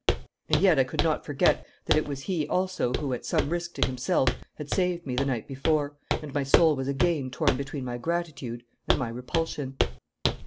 And yet I could not forget that it was he also who, at some risk to himself, had saved me the night before, and my soul was again torn between my gratitude and my repulsion.